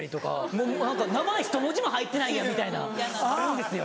もう名前ひと文字も入ってないやんみたいなあるんですよ。